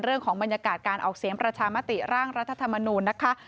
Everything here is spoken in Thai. บรรยากาศการออกเสียงประชามติร่างรัฐธรรมนูญนะคะ